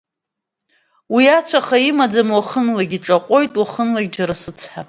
Уи ацәаха имаӡам уахынлагь, иҿаҟәоит уахынлагь џьара сыцҳа.